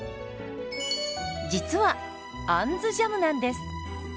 実は「あんずジャム」なんです。